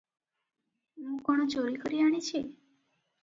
ମୁଁ କଣ ଚୋରିକରି ଆଣିଛି?